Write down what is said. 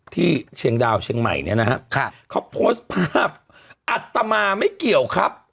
เชียงดาวเชียงใหม่เนี่ยนะฮะเขาโพสต์ภาพอัตมาไม่เกี่ยวครับ